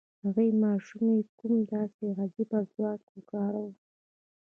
هغې ماشومې کوم داسې عجيب ځواک وکاراوه؟